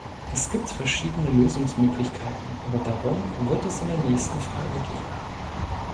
Es gibt verschiedene Lösungsmöglichkeiten, aber darum wird es in der nächsten Frage gehen.